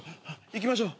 行きましょう。